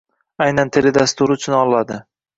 Aynan teledasturi uchun oladi